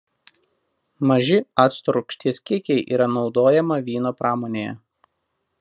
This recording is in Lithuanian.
Maži acto rūgšties kiekiai yra naudojama vyno pramonėje.